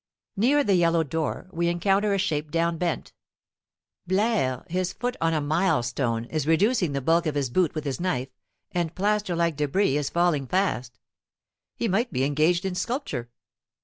Near the yellow door, we encounter a shape down bent. Blaire, his foot on a milestone, is reducing the bulk of his boot with his knife, and plaster like debris is falling fast. He might be engaged in sculpture.